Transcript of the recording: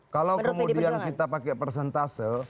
kalau kemudian kita pakai persentase